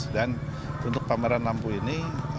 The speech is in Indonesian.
dan untuk pameran lampu ini